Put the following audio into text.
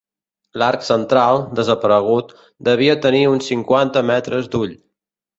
L'arc central, desaparegut, devia tenir uns cinquanta metres d'ull.